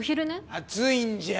暑いんじゃ！